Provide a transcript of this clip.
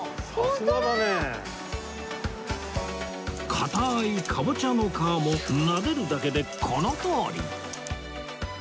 硬いカボチャの皮もなでるだけでこのとおり